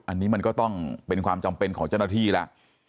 อันนี้มันก็ต้องเป็นความจำเป็นของเจ้าหน้าที่แล้ว